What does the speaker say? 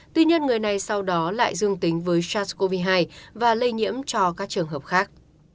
tuy nhiên người này sau đó lại dương tính với sars cov hai và lây nhiễm cho các trường hợp khác